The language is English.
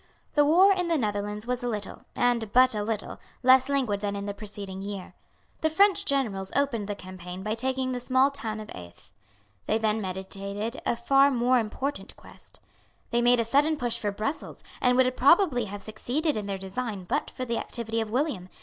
The war in the Netherlands was a little, and but a little, less languid than in the preceding year. The French generals opened the campaign by taking the small town of Aeth. They then meditated a far more important conquest. They made a sudden push for Brussels, and would probably have succeeded in their design but for the activity of William.